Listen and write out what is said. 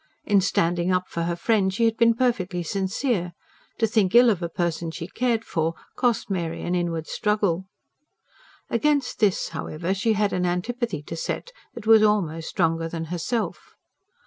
In standing up for her friend she had been perfectly sincere: to think ill of a person she cared for, cost Mary an inward struggle. Against this, however, she had an antipathy to set that was almost stronger than herself.